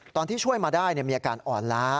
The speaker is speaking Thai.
ตอนที่ช่วยมาได้มีอาการอ่อนล้า